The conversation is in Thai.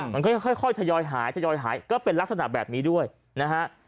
มันก็ค่อยทยอยหายทยอยหายก็เป็นลักษณะแบบนี้ด้วยนะฮะ